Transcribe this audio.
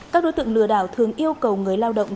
các đối tượng lừa đảo thường yêu cầu người lao động